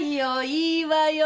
いいわよ。